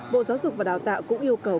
bộ giáo dục và đào tạo cũng yêu cầu